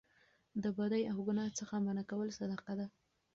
د بدۍ او ګناه څخه منع کول صدقه ده